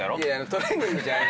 トレーニングじゃない。